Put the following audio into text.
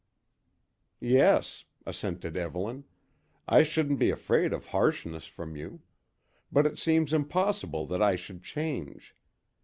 "Yes," assented Evelyn; "I shouldn't be afraid of harshness from you; but it seems impossible that I should change.